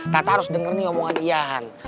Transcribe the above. tata harus denger nih omongan ian